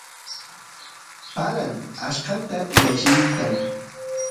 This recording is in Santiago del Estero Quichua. paran achkata y allimitan